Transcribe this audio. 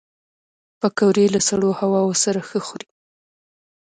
پکورې له سړو هواوو سره ښه خوري